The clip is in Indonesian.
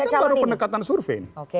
ini kan baru pendekatan survei nih